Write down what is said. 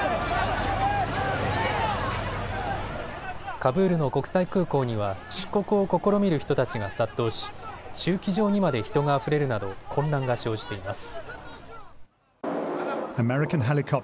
カブールの国際空港には出国を試みる人たちが殺到し、駐機場にまで人があふれるなど混乱が生じています。